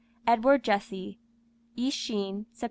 EDWARD JESSE. _East Sheen, Sept.